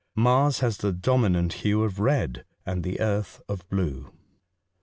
Mars has the dominant hue of red, and the earth of blue.